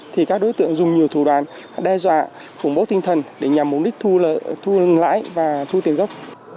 thì các đối tượng dùng nhiều thủ đoàn đe dọa khủng bố tinh thần để nhằm mục đích thu lương lãi và thu tiền gốc